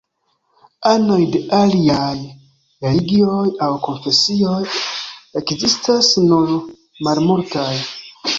Anoj de aliaj religioj aŭ konfesioj ekzistas nur malmultaj.